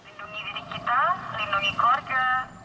lindungi diri kita lindungi keluarga